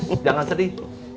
eh jangan sedih